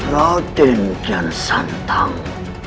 raden dan santang